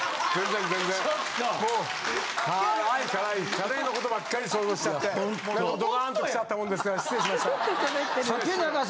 カレーのことばっかり想像しちゃってドカーンときちゃったもんですから失礼しました。